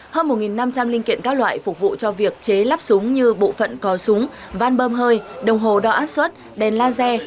hơn một năm trăm linh linh kiện các loại phục vụ cho việc chế lắp súng như bộ phận cò súng van bơm hơi đồng hồ đo áp suất đèn laser